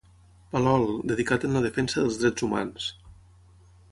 Palol, dedicat en la defensa dels drets humans.